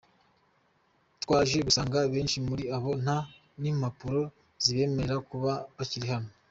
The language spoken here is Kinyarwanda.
Twaje gusanga benshi muri bo nta n’impapuro zibemerera kuba bakiri hano.